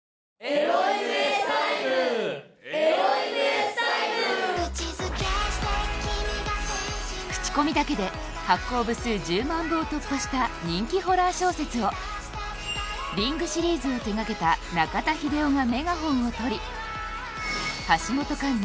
エロイムエッサイムエロイムエッサイム口コミだけで発行部数１０万部を突破した人気ホラー小説を「リング」シリーズを手がけた中田秀夫がメガホンを取り橋本環奈